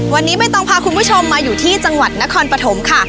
วันนี้ไม่ต้องพาคุณผู้ชมมาอยู่ที่จังหวัดนครปฐมค่ะ